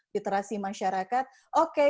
literasi masyarakat oke